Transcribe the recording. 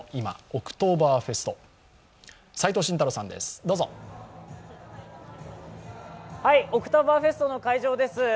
オクトーバーフェストの会場です。